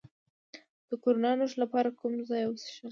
د کرونا د نښو لپاره کوم چای وڅښم؟